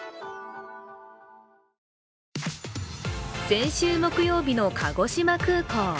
先週木曜日の鹿児島空港。